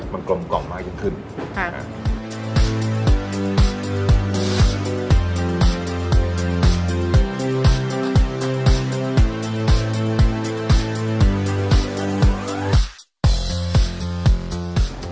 มันกลมกล่อมมากยิ่งขึ้นค่ะ